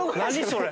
それ。